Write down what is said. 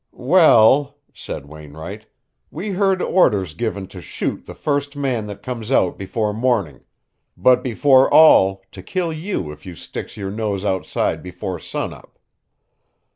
"Well," said Wainwright, "we heard orders given to shoot the first man that comes out before morning, but before all to kill you if you sticks your nose outside before sun up."